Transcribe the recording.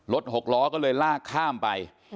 หกล้อก็เลยลากข้ามไป